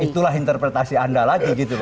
itulah interpretasi anda lagi gitu